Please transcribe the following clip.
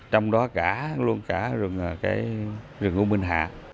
trong đó luôn cả rừng u minh hạ